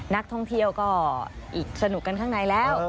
นักท่องเที่ยวก็อีกสนุกกันข้างในแล้ว